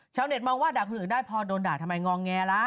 มองว่าด่าคนอื่นได้พอโดนด่าทำไมงอแงล่ะ